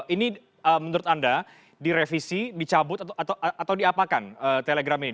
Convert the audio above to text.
ini menurut anda direvisi dicabut atau diapakan telegram ini